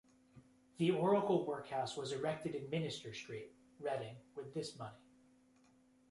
The Oracle workhouse, was erected in Minster Street, Reading with this money.